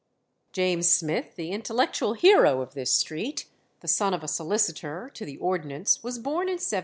James Smith, the intellectual hero of this street, the son of a solicitor to the Ordnance, was born in 1775.